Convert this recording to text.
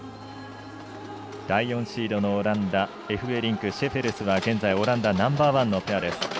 第４シードのオランダエフベリンク、シェフェルスは現在、オランダナンバーワンのペアです。